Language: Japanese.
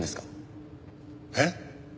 えっ？